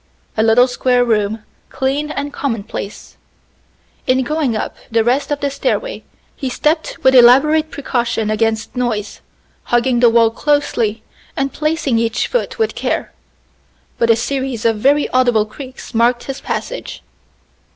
A little square room, clean and commonplace. In going up the rest of the stairway he stepped with elaborate precaution against noise, hugging the wall closely and placing each foot with care; but a series of very audible creaks marked his passage.